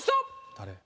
誰？